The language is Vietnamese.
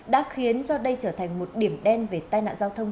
đã khiến cho đây trở thành một điểm đen về tai nạn giao thông